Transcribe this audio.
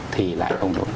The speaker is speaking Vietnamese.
thì lại không đúng